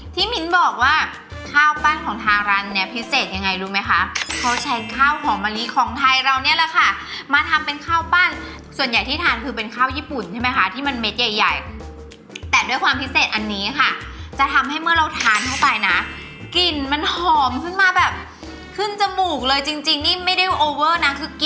มิ้นบอกว่าข้าวปั้นของทางร้านเนี้ยพิเศษยังไงรู้ไหมคะเขาใช้ข้าวหอมมะลิของไทยเราเนี่ยแหละค่ะมาทำเป็นข้าวปั้นส่วนใหญ่ที่ทานคือเป็นข้าวญี่ปุ่นใช่ไหมคะที่มันเม็ดใหญ่ใหญ่แต่ด้วยความพิเศษอันนี้ค่ะจะทำให้เมื่อเราทานเข้าไปนะกลิ่นมันหอมขึ้นมาแบบขึ้นจมูกเลยจริงจริงนี่ไม่ได้โอเวอร์นะคือก